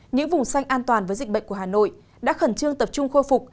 những vùng xanh an toàn với dịch bệnh của hà nội đã khẩn trương tập trung khôi phục